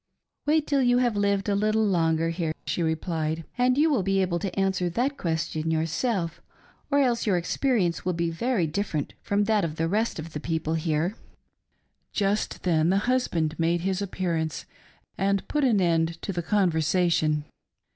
" Wait till you have lived a little longer here," she replied, " and you will be able to answer that question yourself, or else your experience will be very different from that of the rest of the people here." Just then the husband made his appearance, and put an end to the conversation.